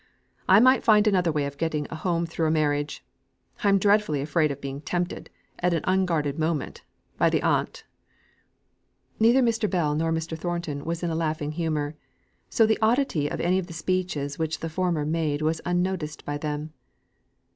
I might find another way of getting a home through a marriage. I'm dreadfully afraid of being tempted, at an unguarded moment, by her aunt." Neither Mr. Bell nor Mr. Thornton was in a laughing humour; so the oddity of any of the speeches which the former made was unnoticed by them.